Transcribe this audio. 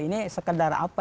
ini sekedar apa